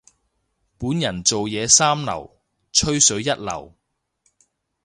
本人做嘢三流，吹水一流。